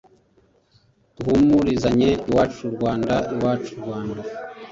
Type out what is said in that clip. duhumurizanye iwacu rwanda iwacu rwanda